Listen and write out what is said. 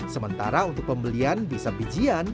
sementara untuk pembelian bisa bijian